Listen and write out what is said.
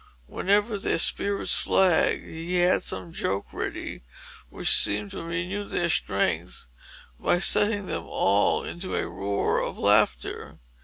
Whenever their spirits flagged, he had some joke ready, which seemed to renew their strength by setting them all into a roar of laughter.